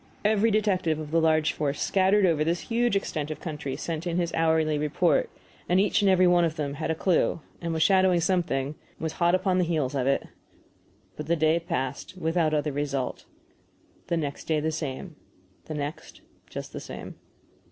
Every detective of the large force scattered over this huge extent of country sent his hourly report, and each and every one of them had a clue, and was shadowing something, and was hot upon the heels of it. But the day passed without other result. The next day the same. The next just the same.